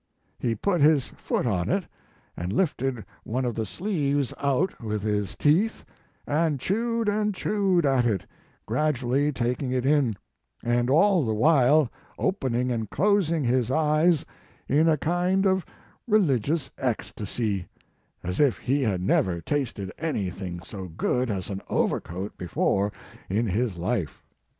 He put his foot on it, and lifted one of the sleeves out with his teeth, and chewed and chewed at it, gradually taking it in, and all the while opening and closing his eyes in a kind of religious ecstasy, as if he had never tasted anything so good as an overcoat before in his life.